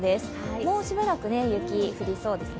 もうしばらく雪、降りそうですね。